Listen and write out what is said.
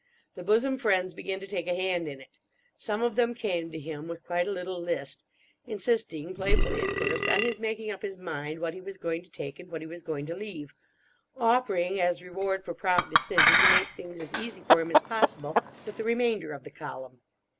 The bosom friends began to take a hand in it. Some of them came to him with quite a little list, insisting—playfully at first—on his making up his mind what he was going to take and what he was going to leave; offering, as reward for prompt decision, to make things as easy for him as possible with the remainder of the column.